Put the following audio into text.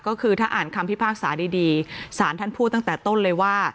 ก็คือถ้าอ่านคำพิพากษาดีสารท่านพูดตั้งแต่ต้นเลยว่า